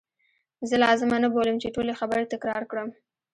زه لازمه نه بولم چې ټولي خبرې تکرار کړم.